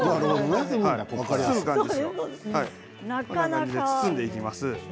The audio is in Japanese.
これで包んでいきます。